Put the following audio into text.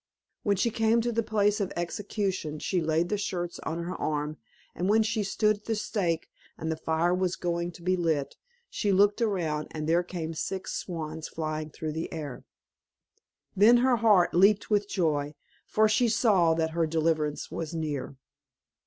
When she came to the place of execution, she laid the shirts on her arm, and when she stood at the stake, and the fire was just going to be lit, she looked round, and there came six swans flying through the air. Then her heart leaped with joy, for she saw that her deliverance was near.